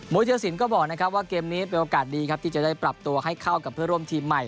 ธิรสินก็บอกนะครับว่าเกมนี้เป็นโอกาสดีครับที่จะได้ปรับตัวให้เข้ากับเพื่อร่วมทีมใหม่